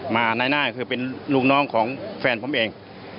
นายหน้าก็คือเป็นลูกน้องของแฟนผมเอง